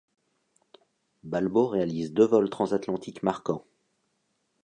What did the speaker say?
Balbo réalise deux vols transatlantiques marquants.